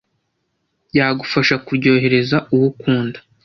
yagufasha kuryohereza uwo ukunda,